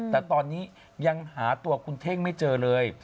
แต่ตอนนี้ยังหาตัวคุณเท่งไม่เจอเลย